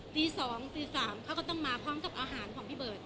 ตี๒ตี๓เขาก็ต้องมาพร้อมกับอาหารของพี่เบิร์ต